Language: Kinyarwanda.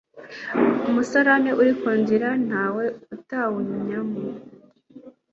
umusarane uri ku nzira ntawe utawunnyamo